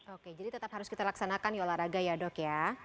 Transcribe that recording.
oke jadi tetap harus kita laksanakan ya olahraga ya dok ya